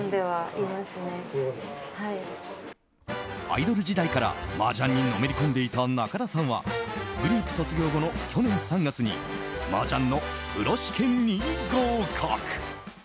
アイドル時代から麻雀にのめり込んでいた中田さんはグループ卒業後の去年３月に麻雀のプロ試験に合格。